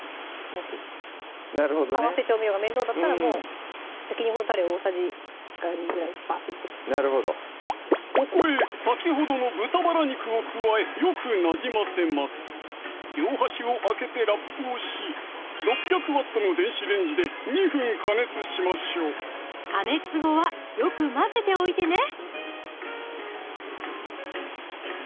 もしなるほどね合わせ調味料が面倒だったらもう焼き肉のたれを大さじ１２ぐらいバッと入れてもここへ先ほどの豚バラ肉を加えよくなじませます両端を開けてラップをし６００Ｗの電子レンジで２分加熱しましょう加熱後はよく混ぜておいてね